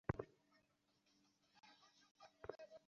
তাতে দুটি প্রতিষ্ঠানের সর্বোচ্চ দর পাওয়া গেছে সোয়া দুই কোটি টাকা।